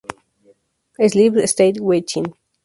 Sleep State Switching.